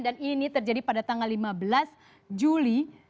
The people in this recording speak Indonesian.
dan ini terjadi pada tanggal lima belas juli